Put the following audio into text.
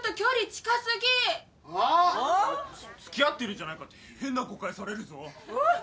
つ付き合ってるんじゃないかって変な誤解されるぞ。